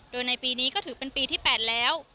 โดยในปีนี้ก็ถือเป็นปีที่๘แล้ว